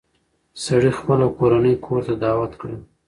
سړي خپله کورنۍ کور ته دعوت کړه.